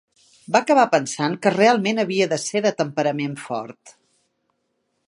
Va acabar pensant que realment havia d'ésser de temperament fort